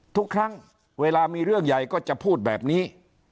ทุกครั้งเวลามีเรื่องใหญ่ก็จะพูดแบบนี้